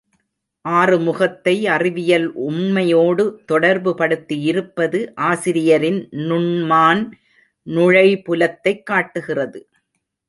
ஆறுமுகத்தை அறிவியல் உண்மையோடு தொடர்புபடுத்தியிருப்பது ஆசிரியரின் நுண்மான் நுழைபுலத்தைக் காட்டுகிறது.